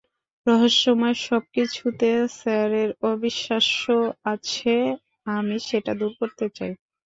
রহস্যময় সবকিছুতে স্যারের অবিশ্বাস আছে, আমি সেটা দূর করতে চাই।